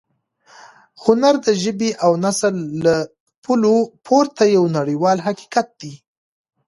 هنر د ژبې او نسل له پولو پورته یو نړیوال حقیقت دی.